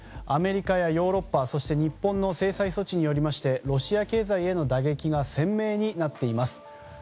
アメリカやヨーロッパそして日本の制裁措置によりロシア経済への打撃が鮮明になっています。